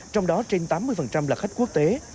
trong đó trên tám mươi là khách quốc tế